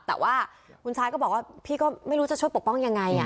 แต่ว่าคุณซายก็บอกว่าพี่ก็ไม่รู้จะช่วยปกป้องยังไง